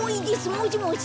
もしもし？